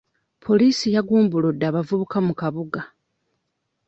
Poliisi yagumbuludde abavubuka mu kabuga.